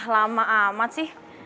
lama amat sih